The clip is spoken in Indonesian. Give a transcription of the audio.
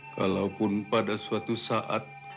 kalaupun pada suatu saat